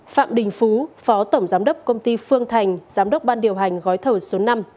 phạm đình phú phó tổng giám đốc công ty phương thành giám đốc ban điều hành gói thầu số năm